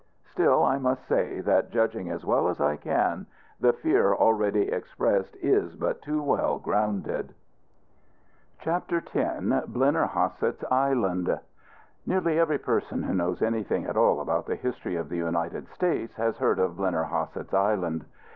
Still I must say that, judging as well as I can, the fear already expressed is but too well grounded. CHAPTER X. BLENNERHASSETT'S ISLAND. Nearly every person who knows anything at all about the history of the United States has heard of Blennerhassett's Island.